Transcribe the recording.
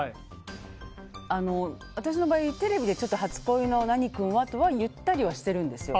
覚えてますし私の場合、テレビで初恋の何君はとは言ったりはしてるんですよ。